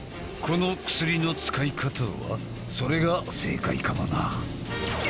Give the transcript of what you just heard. この薬の使い方はそれが正解かもな。